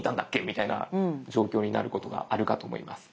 みたいな状況になることがあるかと思います。